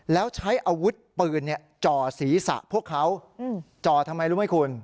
แล้วใช้อาวุธปืนจ่อศีรษะพวกเขาจ่อทำไมรู้ไหมคุณ